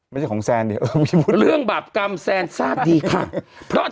ไม่ใช่ของแซนเนี่ยเรื่องบาปกรรมแซนทราบดีค่ะเพราะ